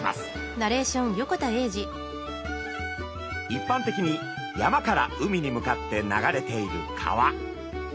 いっぱん的に山から海に向かって流れている川。